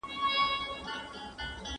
¬ موزي په بد راضي.